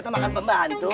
iya senjata makan dua